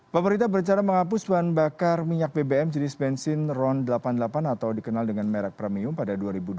pemerintah bercara menghapus bahan bakar minyak bbm jenis bensin ron delapan puluh delapan atau dikenal dengan merek premium pada dua ribu dua puluh